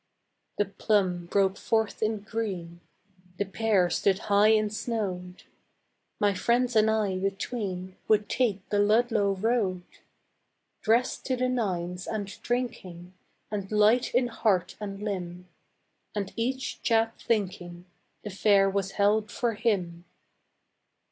The plum broke forth in green, The pear stood high and snowed, My friends and I between Would take the Ludlow road; Dressed to the nines and drinking And light in heart and limb, And each chap thinking The fair was held for him.